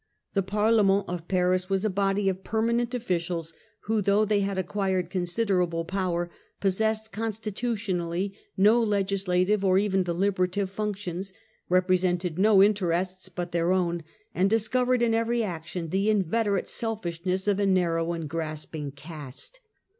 The Parlement of Paris was a body of permanent officials, who, though they had acquired considerable power, possessed con 30 Prelude to the Fronde. 1648. stitutionally no legislative or even deliberative functions, represented no interests but their own, and discovered in every action the inveterate selfishness of a narrow and grasping caste.